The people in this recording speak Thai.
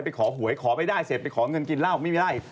ขอหวยขอไม่ได้เสร็จไปขอเงินกินเหล้าไม่มีไร่